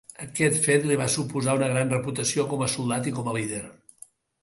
Aquest fet li va suposar una gran reputació com a soldat i com a líder.